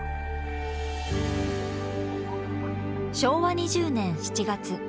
昭和２０年７月。